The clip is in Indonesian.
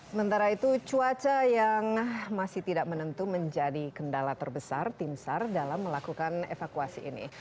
sementara itu cuaca yang masih tidak menentu menjadi kendala terbesar tim sar dalam melakukan evakuasi ini